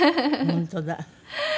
本当だ。